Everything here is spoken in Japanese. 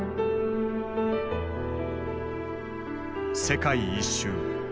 世界一周。